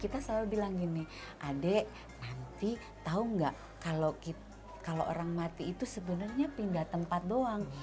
kita selalu bilang gini adek nanti tau gak kalo orang mati itu sebenernya pindah tempat doang